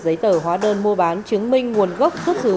giấy tờ hóa đơn mua bán chứng minh nguồn gốc xuất xứ